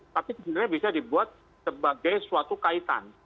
tapi sebenarnya bisa dibuat sebagai suatu kaitan